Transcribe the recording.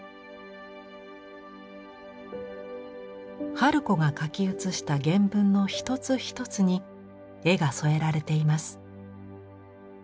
春子が書き写した原文の一つ一つに絵が添えられています。